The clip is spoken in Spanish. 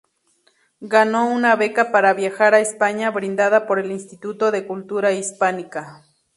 Ganó una beca para viajar a España brindada por el Instituto de Cultura Hispánica.